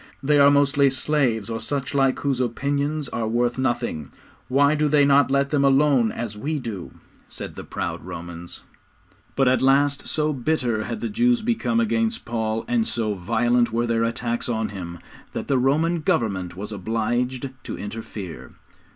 'They are mostly slaves or such like whose opinions are worth nothing. Why do they not let them alone as we do?' said the proud Romans. But at last so bitter had the Jews become against Paul, and so violent were their attacks on him, that the Roman Government was obliged to interfere.